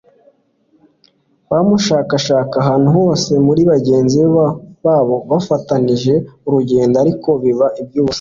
Bamushakashaka ahantu hose muri bagenzi babo bafatanije urugendo, ariko biba iby'ubusa.